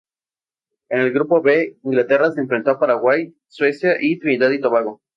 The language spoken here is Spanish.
En el Grupo B, Inglaterra se enfrentó a Paraguay, Suecia y Trinidad y Tobago.